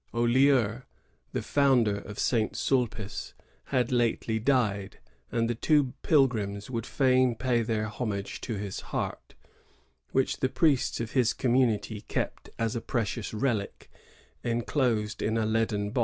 Olier, the founder of St. Sulpice, had lately died, and the two pilgrims would fain pay their homage to his heart, which the priests of his community kept as a precious relic, enclosed in a leaden box.